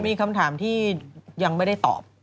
มีคำถามที่ยังไม่ได้ตอบ